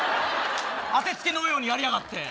あてつけのようにやりやがって。